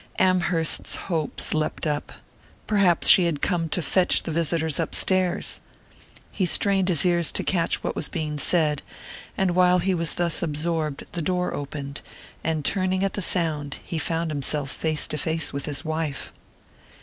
Amherst's hopes leapt up: perhaps she had come to fetch the visitors upstairs! He strained his ears to catch what was being said, and while he was thus absorbed the door opened, and turning at the sound he found himself face to face with his wife.